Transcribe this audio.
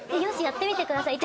やってみてください。